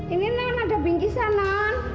ini non ada bingkisan non